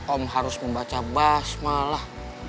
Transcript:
om harus membaca basmalah